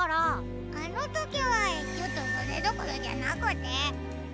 あのときはちょっとそれどころじゃなくて。